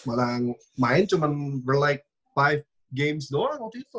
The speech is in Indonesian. malah main cuma ber like lima games doang waktu itu